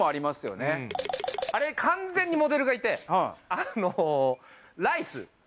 あれ完全にモデルがいてあのライス。